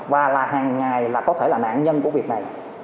và hàng ngày có thể là nạn nhân của việc này